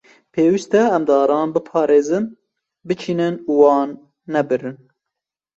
Pêwîst e em daran biparêzin, biçînin û wan nebirin.